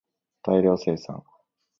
大量生産